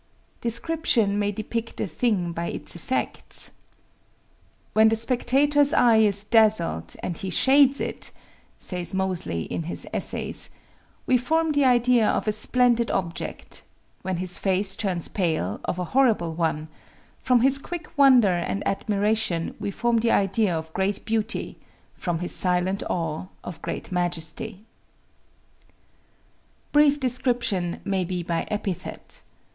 Description may depict a thing by its effects. "When the spectator's eye is dazzled, and he shades it," says Mozley in his "Essays," "we form the idea of a splendid object; when his face turns pale, of a horrible one; from his quick wonder and admiration we form the idea of great beauty; from his silent awe, of great majesty." _Brief description may be by epithet.